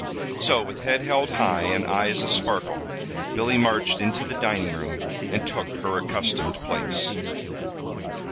So with head held high and eyes asparkle, Billy marched into the dining room and took her accustomed place.